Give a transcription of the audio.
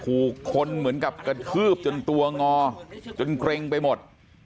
ถูกคนเหมือนกับกระทืบจนตัวงอจนเกร็งไปหมด